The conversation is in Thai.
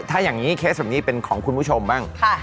ถ้าอย่างนี้เคสแบบนี้เป็นของคุณผู้ชมบ้าง